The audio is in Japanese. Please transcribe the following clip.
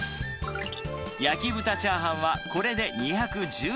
焼豚チャーハンはこれで２１６円。